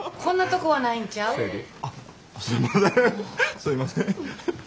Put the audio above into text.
すいません。